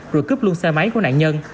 rồi cướp luôn xe máy của nạn nhân